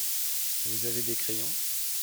Vous avez des crayons ?